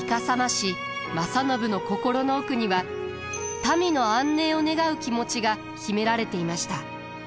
師正信の心の奥には民の安寧を願う気持ちが秘められていました。